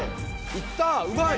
いったうまい！